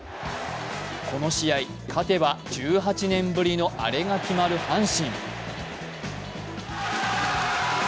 この試合、勝てば１８年ぶりのアレが決まる阪神。